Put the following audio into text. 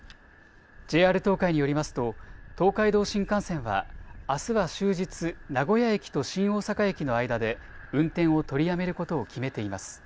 ＪＲ東海によりますと東海道新幹線はあすは終日名古屋駅と新大阪駅の間で運転を取りやめることを決めています。